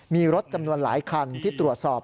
มีรถจำนวนหลายคันที่ตรวจสอบ